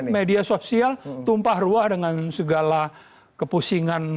media sosial tumpah ruah dengan segala kepusingan